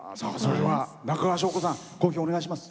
中川翔子さん講評をお願いします。